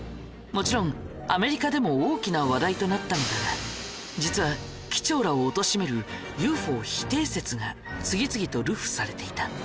もちろんアメリカでも大きな話題となったのだが実は機長らをおとしめるＵＦＯ否定説が次々と流布されていた。